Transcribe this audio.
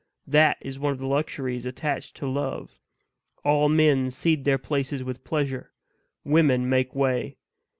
That is one of the luxuries attached to love; all men cede their places with pleasure; women make way.